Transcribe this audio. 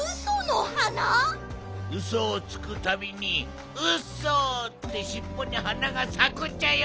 ウソをつくたびにウソってしっぽに花がさくっちゃよ！